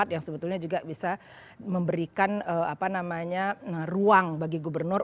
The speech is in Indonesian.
yang sebetulnya juga bisa memberikan ruang bagi gubernur